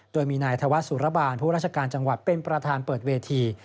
โดยมีนายธวัฒสุรบาลผู้ราชการจังหวัดเป็นประธานเปิดเวที